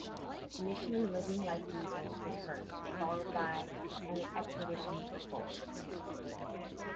Initially "Living Like Weasels" was first, followed by "An Expedition to the Pole".